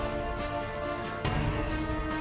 tidak berada di istana